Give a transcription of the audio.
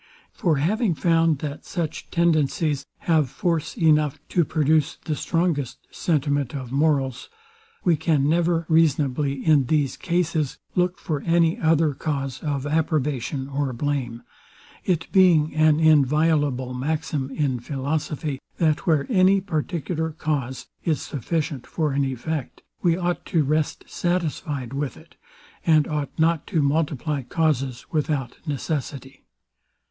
For having found, that such tendencies have force enough to produce the strongest sentiment of morals, we can never reasonably, in these cases, look for any other cause of approbation or blame; it being an inviolable maxim in philosophy, that where any particular cause is sufficient for an effect, we ought to rest satisfied with it, and ought not to multiply causes without necessity.